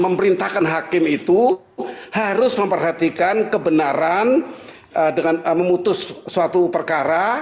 memerintahkan hakim itu harus memperhatikan kebenaran dengan memutus suatu perkara